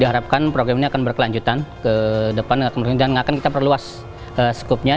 diharapkan program ini akan berkelanjutan ke depan kemudian dan akan kita perluas skupnya